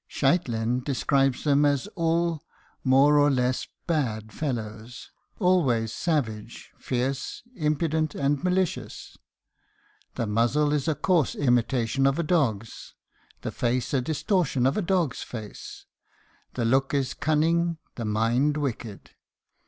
Scheitlin describes them as all more or less bad fellows, "always savage, fierce, impudent, and malicious; the muzzle is a coarse imitation of a dog's, the face a distortion of a dog's face. The look is cunning, the mind wicked.